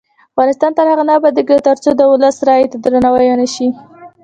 افغانستان تر هغو نه ابادیږي، ترڅو د ولس رایې ته درناوی ونشي.